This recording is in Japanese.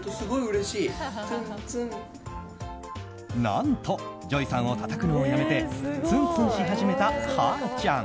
何とＪＯＹさんをたたくのをやめてツンツンし始めたはーちゃん。